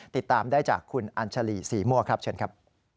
ติดตามได้จากคุณอัญชาลีศรีมั่วครับเชิญครับ